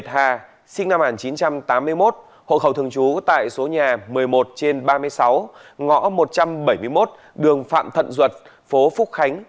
hội khẩu thường chú tại số nhà một mươi một trên ba mươi sáu ngõ một trăm bảy mươi một đường phạm thận duật phố phúc khánh